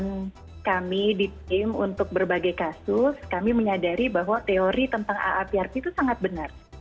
dengan kami di tim untuk berbagai kasus kami menyadari bahwa teori tentang aaprp itu sangat benar